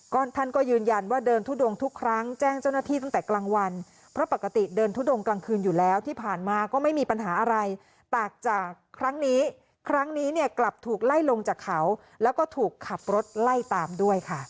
ก็ท่านก็ยืนยันว่าเดินทุดงทุกครั้งแจ้งเจ้าหน้าที่ตั้งแต่กลางวันเพราะปกติเดินทุดงกลางคืนอยู่แล้วที่ผ่านมาก็ไม่มีปัญหาอะไรต่างจากครั้งนี้ครั้งนี้เนี่ยกลับถูกไล่ลงจากเขาแล้วก็ถูกขับรถไล่ตามด้วยค่ะ